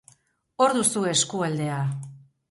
Hor duzue eskualdea.